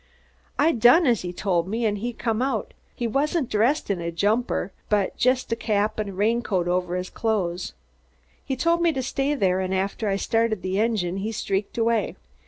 I done as he told me, an' he come out. He wasn't dressed in a jumper, but just had a cap an' a rain coat over his clothes. He told me to stay there, and after I started the engine, he streaked away.